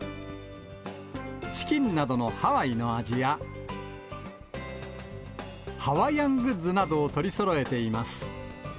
ふわふわもちもちのマラサダや、チキンなどのハワイの味や、ハワイアングッズなどを取りそろえています。